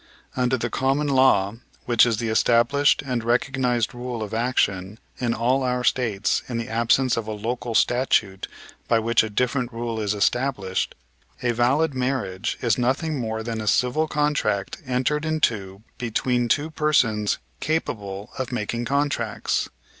Under the common law, which is the established and recognized rule of action in all of our States in the absence of a local statute by which a different rule is established, a valid marriage is nothing more than a civil contract entered into between two persons capable of making contracts.